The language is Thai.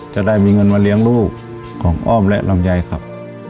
จะได้มีเงินมาเลี้ยงลูกของอ้อมและลำไยครับ